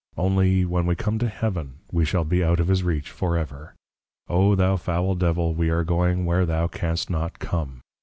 Only, when we come to Heaven, we shall be out of his reach for ever; _O thou foul Devil; we are going where thou canst not come!